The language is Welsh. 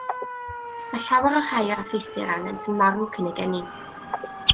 Mae llawer o'r rhai yr effeithir arnynt yn marw cyn eu geni.